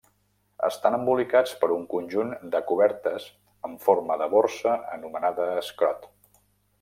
Estan embolicats per un conjunt de cobertes amb forma de borsa, anomenada escrot.